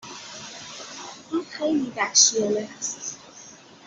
این خیلی وحشیانه هست.